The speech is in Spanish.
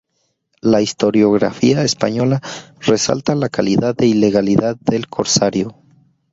La historiografía española resalta la calidad de ilegalidad del corsario.